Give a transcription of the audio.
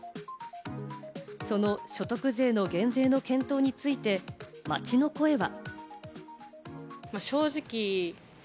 その所得税の減税の検討について、街の声は。